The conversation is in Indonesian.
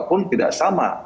pun tidak sama